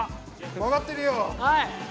わかってるよ！